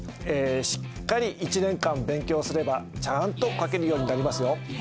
しっかり１年間勉強すればちゃんと書けるようになりますよ。